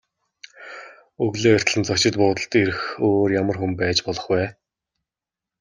Өглөө эртлэн зочид буудалд ирэх өөр ямар хүн байж болох вэ?